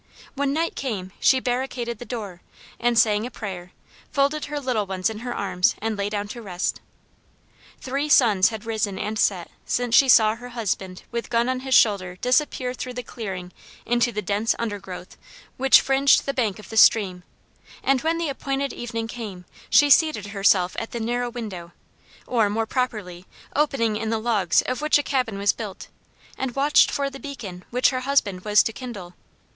When night came she barricaded the door, and saying a prayer, folded her little ones in her arms and lay down to rest. Three suns had risen and set since she saw her husband with gun on his shoulder disappear through the clearing into the dense undergrowth which fringed the bank of the stream, and when the appointed evening came, she seated herself at the narrow window, or, more properly, opening in the logs of which the cabin was built, and watched for the beacon which her husband was to kindle.